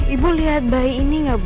ibu lihat bayi ini nggak bu